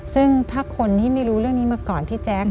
ซึ่งถ้าคนที่ไม่รู้เรื่องนี้มาก่อนพี่แจ๊ค